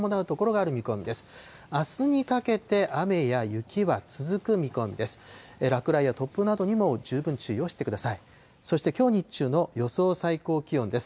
あすにかけて雨や雪は続く見込みです。